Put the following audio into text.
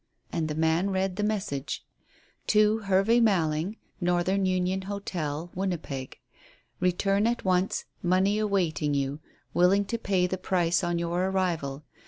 And the man read the message "To Hervey Malling, Northern Union Hotel, Winnipeg. "Return at once. Money awaiting you. Willing to pay the price on your arrival.